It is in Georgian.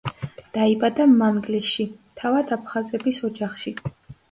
დაიბადა მანგლისში, თავად აფხაზების ოჯახში.